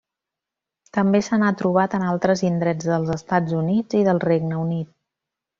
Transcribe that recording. També se n'ha trobat en altres indrets dels Estats Units i del Regne Unit.